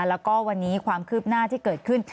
แล้วก็วันนี้ความคืบหน้าที่เกิดขึ้น